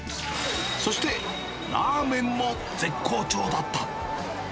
そしてラーメンも絶好調だった。